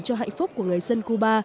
cho hạnh phúc của người dân cuba